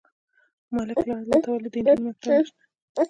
_ملک لالا! دلته ولې د نجونو مکتب نشته؟